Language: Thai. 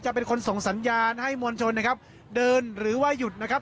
เป็นคนส่งสัญญาณให้มวลชนนะครับเดินหรือว่าหยุดนะครับ